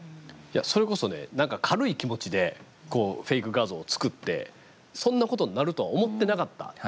それこそねなんか軽い気持ちでフェイク画像を作ってそんなことになるとは思ってなかった。